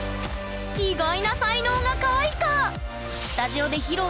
意外な才能が開花！